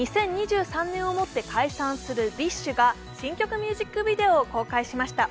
２０２３年をもって解散するＢｉＳＨが新曲ミュージックビデオを公開しました。